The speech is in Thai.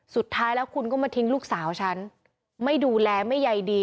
สุดท้ายแล้วคุณก็มาทิ้งลูกสาวฉันไม่ดูแลไม่ใยดี